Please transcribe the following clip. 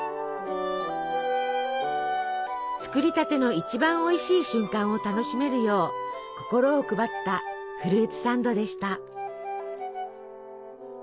作りたての一番おいしい瞬間を楽しめるよう心を配ったフルーツサンドでした。